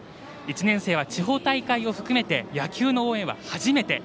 １年生は地方大会を含めて野球の応援は初めて。